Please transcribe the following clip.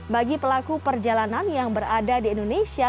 bagi pelaku perjalanan yang berada di indonesia